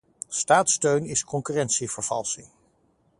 Staatssteun is concurrentievervalsing.